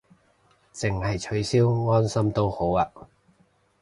淨係取消安心都好吖